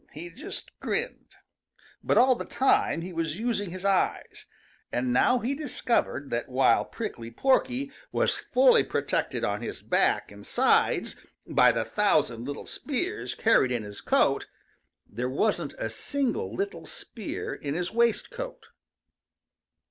He just grinned. But all the time he was using his eyes, and now he discovered that while Prickly Porky was fully protected on his back and sides by the thousand little spears carried in his coat, there wasn't a single little spear in his waistcoat.